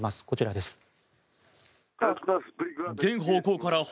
こちらです。